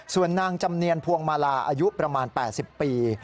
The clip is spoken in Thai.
ส่วนนางจำเนียนพวงมาลาอายุประมาณ๘๐ปี